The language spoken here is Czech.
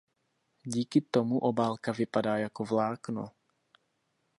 Díky tomu obálka vypadá jako vlákno.